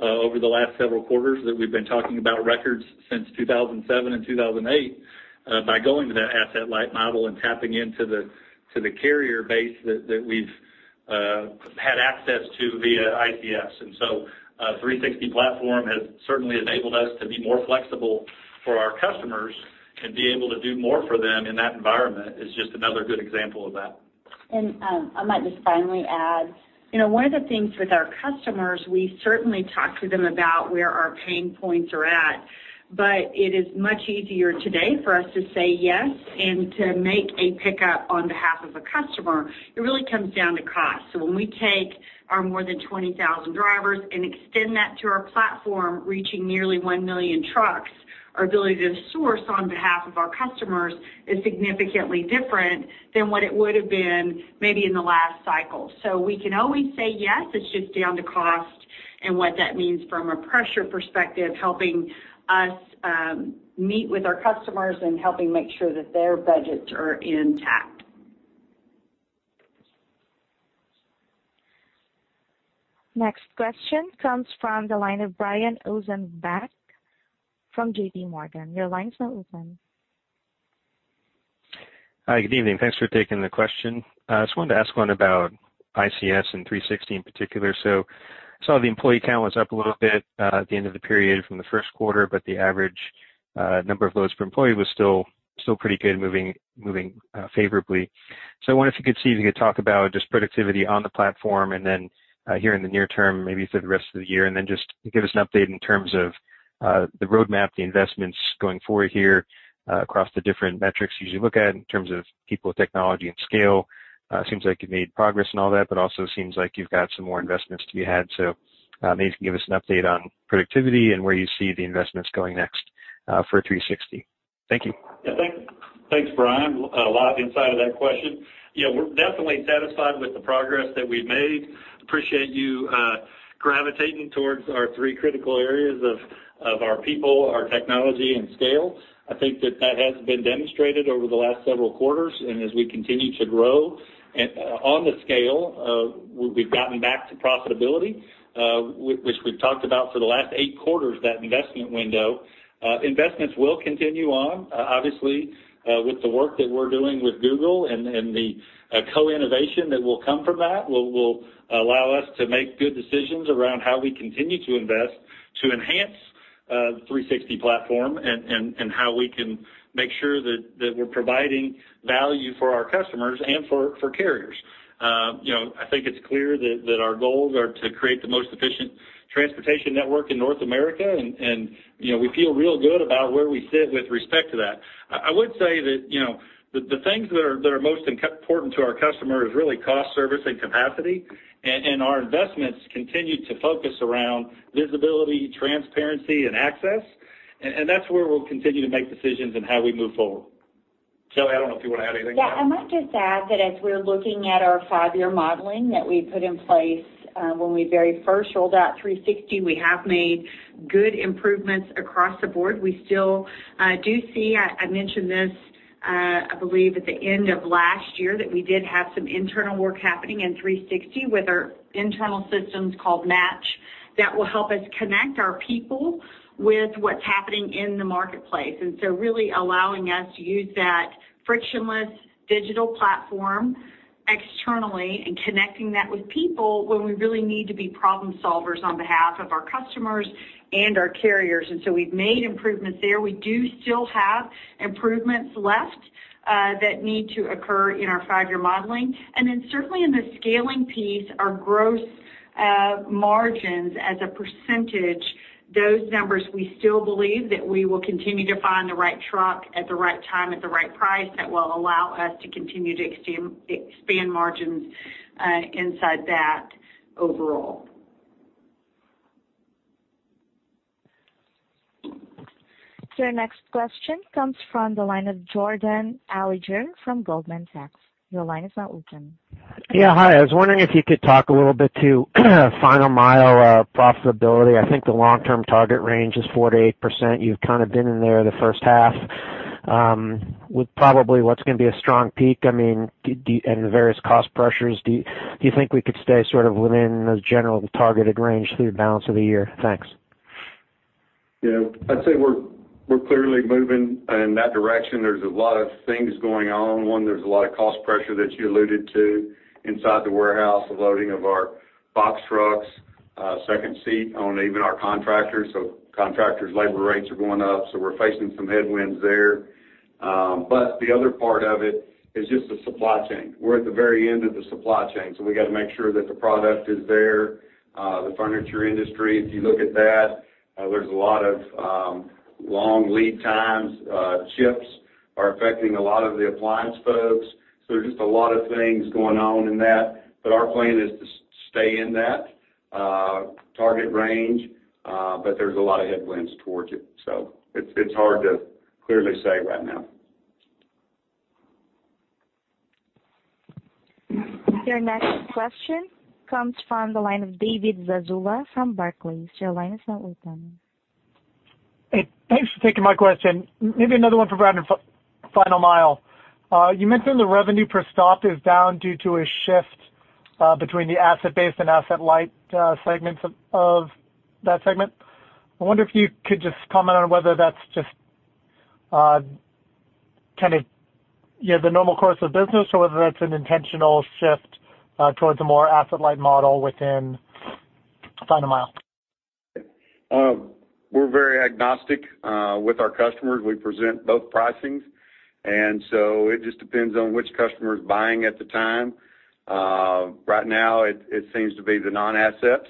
G: over the last several quarters that we've been talking about records since 2007 and 2008, by going to that asset light model and tapping into the carrier base that we've had access to via ICS. 360 platform has certainly enabled us to be more flexible for our customers and be able to do more for them in that environment is just another good example of that.
E: I might just finally add, one of the things with our customers, we certainly talk to them about where our pain points are at, but it is much easier today for us to say yes and to make a pickup on behalf of a customer. It really comes down to cost. When we take our more than 20,000 drivers and extend that to our platform, reaching nearly 1 million trucks, our ability to source on behalf of our customers is significantly different than what it would have been maybe in the last cycle. We can always say yes, it's just down to cost and what that means from a pressure perspective, helping us meet with our customers and helping make sure that their budgets are intact.
A: Next question comes from the line of Brian Ossenbeck from JPMorgan. Your line is now open.
Q: Hi, good evening. Thanks for taking the question. I just wanted to ask one about ICS and 360 in particular. I saw the employee count was up a little bit at the end of the period from the first quarter, but the average number of loads per employee was still pretty good, moving favorably. I wonder if you could talk about just productivity on the platform and then here in the near term, maybe through the rest of the year, and then just give us an update in terms of the roadmap, the investments going forward here across the different metrics you usually look at in terms of people, technology, and scale. It seems like you've made progress and all that, also seems like you've got some more investments to be had. Maybe you can give us an update on productivity and where you see the investments going next for 360. Thank you.
G: Yeah, thanks, Brian. A lot inside of that question. Yeah, we're definitely satisfied with the progress that we've made. Appreciate you gravitating towards our three critical areas of our people, our technology, and scale. I think that that has been demonstrated over the last several quarters. As we continue to grow on the scale, we've gotten back to profitability, which we've talked about for the last eight quarters, that investment window. Investments will continue on. Obviously, with the work that we're doing with Google and the co-innovation that will come from that will allow us to make good decisions around how we continue to invest to enhance the 360 platform and how we can make sure that we're providing value for our customers and for carriers. I think it's clear that our goals are to create the most efficient transportation network in North America, and we feel real good about where we sit with respect to that. I would say that the things that are most important to our customer is really cost, service, and capacity. Our investments continue to focus around visibility, transparency, and access. That's where we'll continue to make decisions in how we move forward. Shelley Simpson, I don't know if you want to add anything.
E: Yeah. I might just add that as we're looking at our five-year modeling that we put in place when we very first rolled out 360, we have made good improvements across the board. We still do see, I mentioned this I believe at the end of last year, that we did have some internal work happening in 360 with our internal systems called Match that will help us connect our people with what's happening in the marketplace. Really allowing us to use that frictionless digital platform externally and connecting that with people when we really need to be problem solvers on behalf of our customers and our carriers. We've made improvements there. We do still have improvements left that need to occur in our five-year modeling. Certainly in the scaling piece, our gross margins as a percentage, those numbers, we still believe that we will continue to find the right truck at the right time at the right price that will allow us to continue to expand margins inside that overall.
A: Your next question comes from the line of Jordan Alliger from Goldman Sachs.
R: Yeah, hi. I was wondering if you could talk a little bit to Final Mile profitability. I think the long-term target range is 4%-8%. You've kind of been in there the first half. With probably what's going to be a strong peak and the various cost pressures, do you think we could stay sort of within the general targeted range through the balance of the year? Thanks.
F: Yeah. I'd say we're clearly moving in that direction. There's a lot of things going on. One, there's a lot of cost pressure that you alluded to inside the warehouse, the loading of our box trucks, second seat on even our contractors. Contractors' labor rates are going up, so we're facing some headwinds there. The other part of it is just the supply chain. We're at the very end of the supply chain, so we got to make sure that the product is there. The furniture industry, if you look at that, there's a lot of long lead times. Chips are affecting a lot of the appliance folks. There's just a lot of things going on in that. Our plan is to stay in that target range. There's a lot of headwinds towards it, so it's hard to clearly say right now.
A: Your next question comes from the line of David Zazula from Barclays. Your line is now open.
S: Hey, thanks for taking my question. Maybe another one for Brad on Final Mile Services. You mentioned the revenue per stop is down due to a shift between the asset base and asset-light segments of that segment. I wonder if you could just comment on whether that's just kind of the normal course of business or whether that's an intentional shift towards a more asset-light model within Final Mile Services?
F: We're very agnostic with our customers. We present both pricings. It just depends on which customer's buying at the time. Right now, it seems to be the non-asset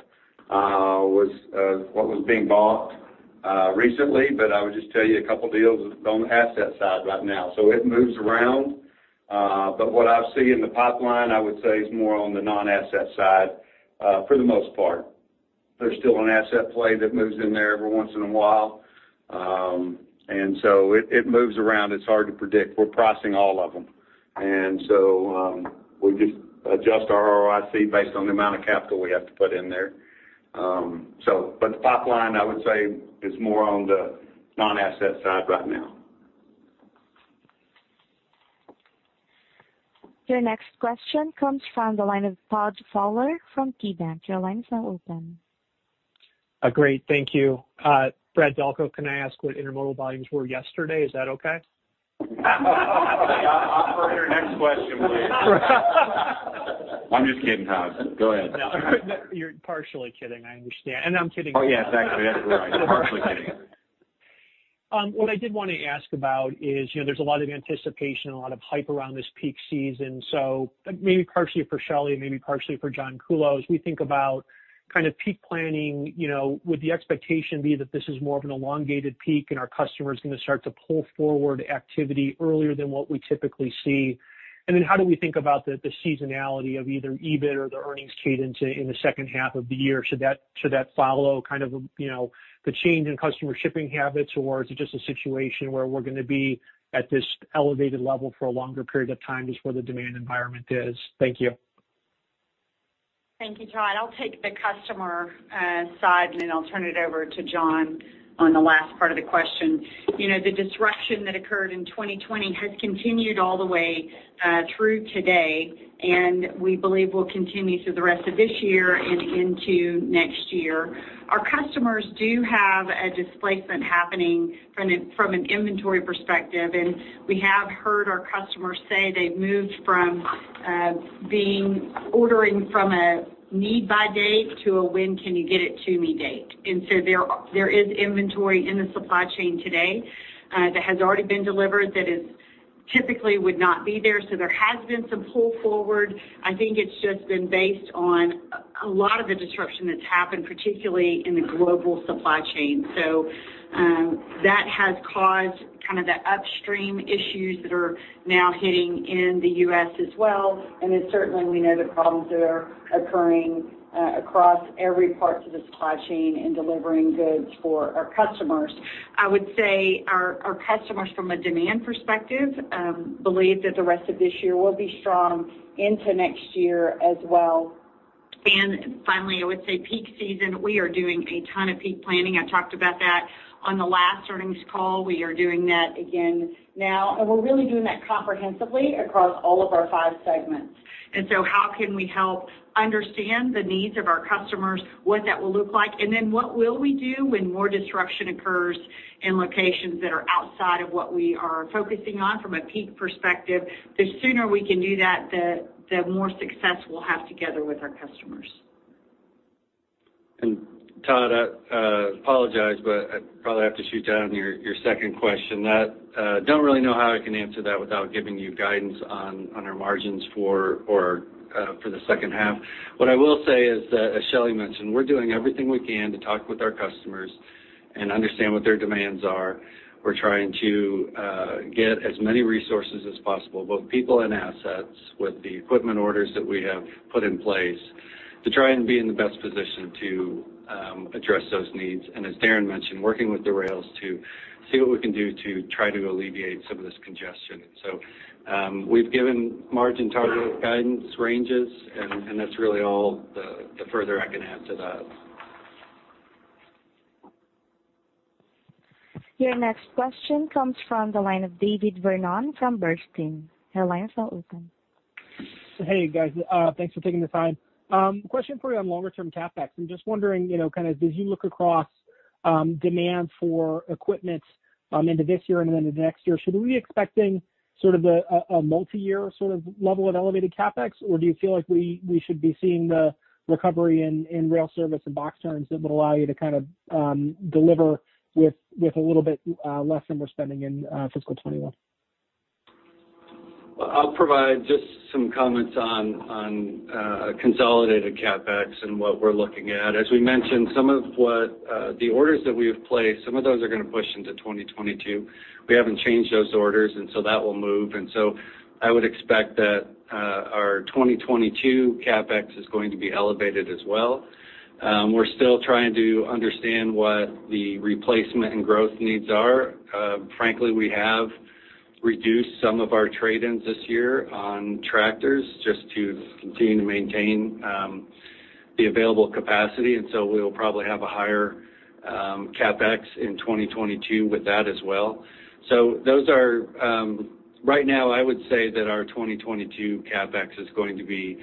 F: was what was being bought recently. I would just tell you two deals on the asset side right now. It moves around. What I see in the pipeline, I would say, is more on the non-asset side for the most part. There's still an asset play that moves in there every once in a while. It moves around. It's hard to predict. We're pricing all of them. We just adjust our ROIC based on the amount of capital we have to put in there. The pipeline, I would say, is more on the non-asset side right now.
A: Your next question comes from the line of Todd Fowler from KeyBanc. Your line is now open.
T: Great. Thank you. Brad Delco, can I ask what intermodal volumes were yesterday? Is that okay?
B: Offer your next question, please. I'm just kidding, Todd. Go ahead.
T: No, you're partially kidding. I understand. I'm kidding as well.
B: Oh, yes, actually. That's right. Partially kidding.
T: What I did want to ask about is, there's a lot of anticipation and a lot of hype around this peak season. Maybe partially for Shelley and maybe partially for John Kuhlow, as we think about peak planning, would the expectation be that this is more of an elongated peak and are customers going to start to pull forward activity earlier than what we typically see? How do we think about the seasonality of either EBIT or the earnings cadence in the second half of the year? Should that follow the change in customer shipping habits, or is it just a situation where we're going to be at this elevated level for a longer period of time just where the demand environment is? Thank you.
E: Thank you, Todd. I'll take the customer side, and then I'll turn it over to John on the last part of the question. The disruption that occurred in 2020 has continued all the way through today, and we believe will continue through the rest of this year and into next year. Our customers do have a displacement happening from an inventory perspective, and we have heard our customers say they've moved from ordering from a need-by date to a when-can-you-get-it-to-me date. There is inventory in the supply chain today that has already been delivered that typically would not be there. There has been some pull forward. I think it's just been based on a lot of the disruption that's happened, particularly in the global supply chain. That has caused the upstream issues that are now hitting in the U.S. as well. Certainly we know the problems that are occurring across every part of the supply chain in delivering goods for our customers. I would say our customers, from a demand perspective, believe that the rest of this year will be strong into next year as well. Finally, I would say peak season, we are doing a ton of peak planning. I talked about that on the last earnings call. We are doing that again now, and we're really doing that comprehensively across all of our five segments. How can we help understand the needs of our customers, what that will look like, and then what will we do when more disruption occurs in locations that are outside of what we are focusing on from a peak perspective? The sooner we can do that, the more success we'll have together with our customers.
D: Todd, I apologize, but I probably have to shoot down your second question. Don't really know how I can answer that without giving you guidance on our margins for the second half. What I will say is that, as Shelley mentioned, we're doing everything we can to talk with our customers and understand what their demands are. We're trying to get as many resources as possible, both people and assets, with the equipment orders that we have put in place to try and be in the best position to address those needs and, as Darren mentioned, working with the rails to see what we can do to try to alleviate some of this congestion. We've given margin target guidance ranges, and that's really all the further I can add to that.
A: Your next question comes from the line of David Vernon from Bernstein.
U: Hey, guys. Thanks for taking the time. Question for you on longer term CapEx. I'm just wondering, as you look across demand for equipment into this year and into next year, should we be expecting a multi-year level of elevated CapEx? Do you feel like we should be seeing the recovery in rail service and box turns that would allow you to deliver with a little bit less than we're spending in fiscal 2021?
D: Well, I'll provide just some comments on consolidated CapEx and what we're looking at. As we mentioned, some of the orders that we have placed, some of those are going to push into 2022. We haven't changed those orders, that will move. I would expect that our 2022 CapEx is going to be elevated as well. We're still trying to understand what the replacement and growth needs are. Frankly, we have reduced some of our trade-ins this year on tractors just to continue to maintain the available capacity, we'll probably have a higher CapEx in 2022 with that as well. Right now, I would say that our 2022 CapEx is going to be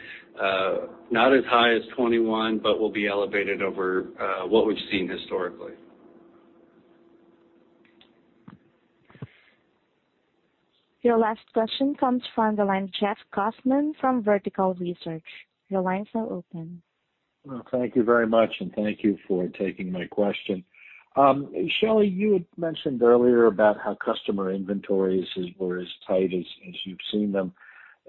D: not as high as 2021, but will be elevated over what we've seen historically.
A: Your last question comes from the line, Jeff Kauffman from Vertical Research Partners. Your lines are open.
V: Thank you very much. Thank you for taking my question. Shelley Simpson, you had mentioned earlier about how customer inventories were as tight as you've seen them.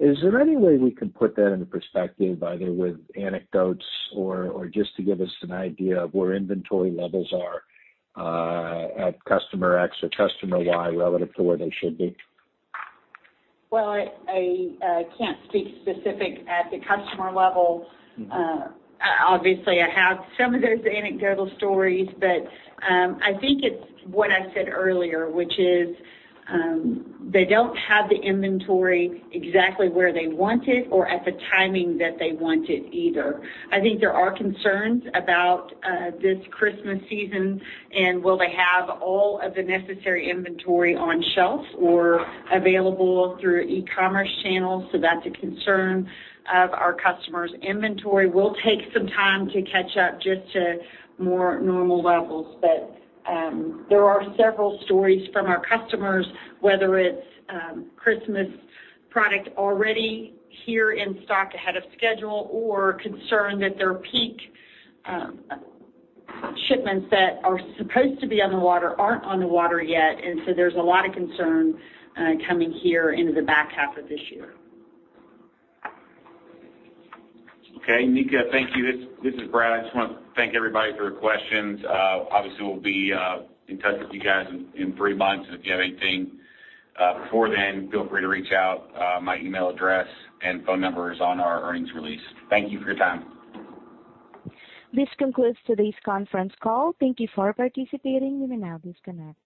V: Is there any way we can put that into perspective, either with anecdotes or just to give us an idea of where inventory levels are at customer X or customer Y relative to where they should be?
E: Well, I can't speak specific at the customer level. Obviously, I have some of those anecdotal stories, but I think it's what I said earlier, which is they don't have the inventory exactly where they want it or at the timing that they want it either. I think there are concerns about this Christmas season, and will they have all of the necessary inventory on shelf or available through e-commerce channels? That's a concern of our customers. Inventory will take some time to catch up just to more normal levels. There are several stories from our customers, whether it's Christmas product already here in stock ahead of schedule or concern that their peak shipments that are supposed to be on the water aren't on the water yet. There's a lot of concern coming here into the back half of this year.
B: Okay, Mika, thank you. This is Brad. I just want to thank everybody for their questions. Obviously, we'll be in touch with you guys in three months, and if you have anything before then, feel free to reach out. My email address and phone number is on our earnings release. Thank you for your time.
A: This concludes today's conference call. Thank you for participating. You may now disconnect.